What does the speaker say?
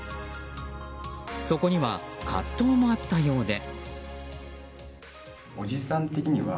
そこには葛藤もあったようで。